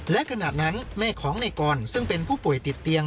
และขณะนั้นแม่ของในกรซึ่งเป็นผู้ป่วยติดเตียง